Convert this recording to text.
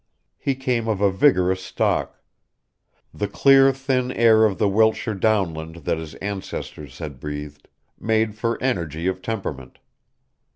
He came of a vigorous stock. The clear, thin air of the Wiltshire downland that his ancestors had breathed makes for energy of temperament.